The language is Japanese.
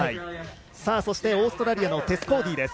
そして、オーストラリアのテス・コーディ。